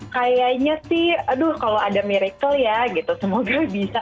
kayaknya sih aduh kalau ada miracle ya gitu semoga bisa